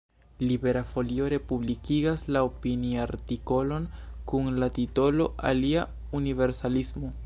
Libera Folio republikigas la opiniartikolon kun la titolo "Alia universalismo".